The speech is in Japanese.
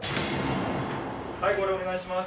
はい号令お願いします。